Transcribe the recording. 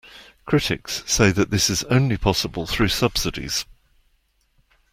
Critics say that this is only possible through subsidies.